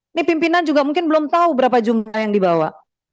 ini pimpinan juga mungkin belum tahu berapa jumlah yang dibawa